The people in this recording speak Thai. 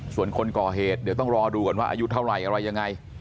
ส่วนคนก่อเหตุเดี๋ยวต้องรอดูก่อนว่าอายุเท่าไหร่อะไรยังไง